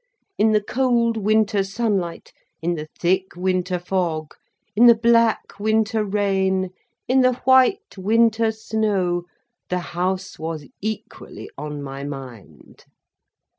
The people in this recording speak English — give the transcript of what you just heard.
In the cold winter sunlight, in the thick winter fog, in the black winter rain, in the white winter snow, the House was equally on my mind.